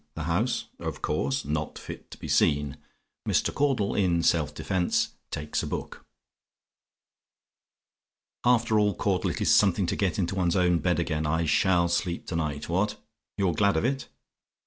THE HOUSE (OF COURSE) "NOT FIT TO BE SEEN." MR. CAUDLE, IN SELF DEFENCE, TAKES A BOOK "After all, Caudle, it is something to get into one's own bed again. I SHALL sleep to night. What! "YOU'RE GLAD OF IT?